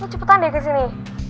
lo cepetan deh kesini